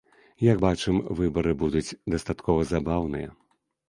Як бачым, выбары будуць дастаткова забаўныя.